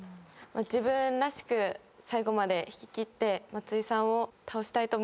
自分らしく最後まで弾き切って松井さんを倒したいと思います。